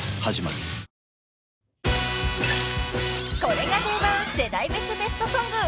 ［これが定番世代別ベストソング］